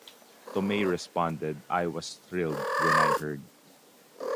Tomei responded, I was thrilled when I heard.